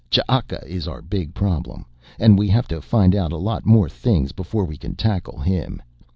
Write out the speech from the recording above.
Ch'aka is our big problem, and we have to find out a lot more things before we can tackle him.